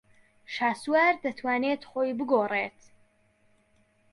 شاسوار دەتوانێت خۆی بگۆڕێت.